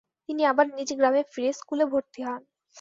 তিনি আবার নিজ গ্রামে ফিরে স্কুলে ভর্তি হন।